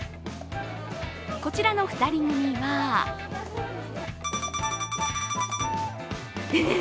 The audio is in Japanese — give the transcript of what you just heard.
こちらの２人組は、えっ？